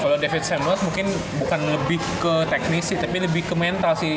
kalau david samuels mungkin bukan lebih ke teknis sih tapi lebih ke mental sih